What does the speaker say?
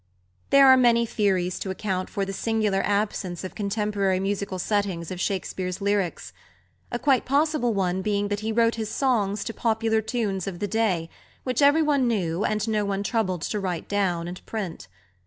There are many theories to account for the singular absence of contemporary musical settings of Shakespeare's lyrics: a quite possible one being that he wrote his songs to popular tunes of the day, which everyone knew and no one troubled to write down and print.